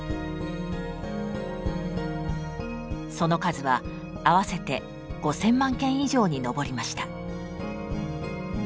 その数は合わせて５，０００万件以上に上りました。